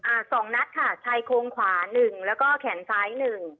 อ่าสองนัดค่ะชายโครงขวาหนึ่งแล้วก็แขนซ้ายหนึ่ง